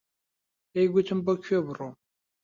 پێی گوتم بۆ کوێ بڕۆم.